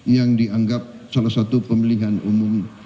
yang dianggap salah satu pemilihan umum